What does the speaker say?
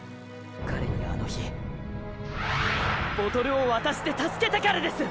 彼にあの日ボトルを渡して助けたからです！